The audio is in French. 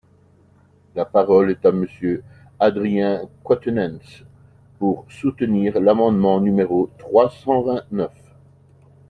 La parole est à Monsieur Adrien Quatennens, pour soutenir l’amendement numéro trois cent vingt-neuf.